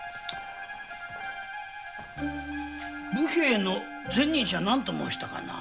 武兵衛の前任者は何と申したかな？